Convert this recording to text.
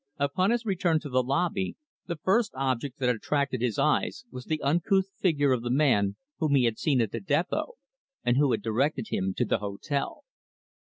Upon his return to the lobby, the first object that attracted his eyes was the uncouth figure of the man whom he had seen at the depot, and who had directed him to the hotel.